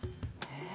え⁉